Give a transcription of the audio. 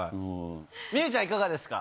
望結ちゃん、いかがですか。